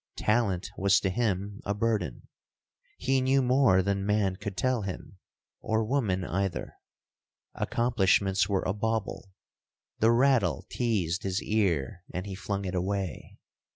Talent was to him a burden. He knew more than man could tell him, or woman either. Accomplishments were a bauble—the rattle teazed his ear, and he flung it away.